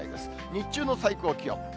日中の最高気温。